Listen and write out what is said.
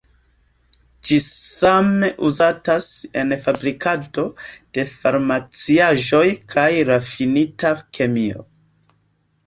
Ĝi same uzatas en fabrikado de farmaciaĵoj kaj rafinita kemio.